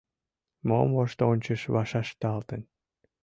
Мом воштончыш вашешталын?